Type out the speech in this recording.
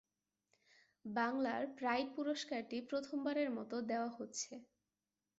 বাংলার প্রাইড পুরস্কারটি প্রথমবারের মতো দেওয়া হচ্ছে।